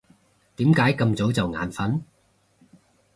點解咁早就眼瞓？